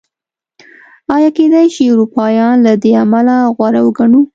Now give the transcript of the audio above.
ایا کېدای شي اروپایان له دې امله غوره وګڼو؟